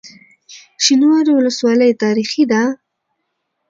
شینوارو ولسوالۍ تاریخي ده؟